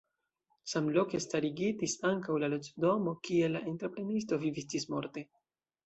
Samloke starigitis ankaŭ la loĝdomo kie la entreprenisto vivis ĝismorte.